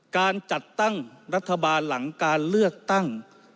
การจัดตั้งรัฐบาลหลังการเลือกตั้ง